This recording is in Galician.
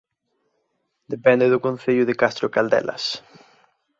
Depende do Concello de Castro Caldelas